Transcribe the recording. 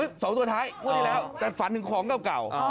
เฮ้ยสองตัวท้ายไม่ได้แล้วแต่ฝันถึงของเก่า